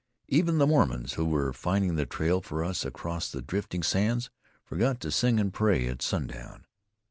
Even the Mormons, who were finding the trail for us across the drifting sands, forgot to sing and pray at sundown.